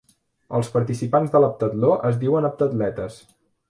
Els participants a l'heptatló es diuen heptatletes.